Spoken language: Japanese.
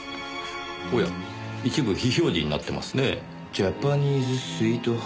おや一部非表示になってますねぇ。